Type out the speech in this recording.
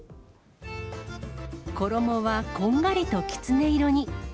衣はこんがりときつね色に。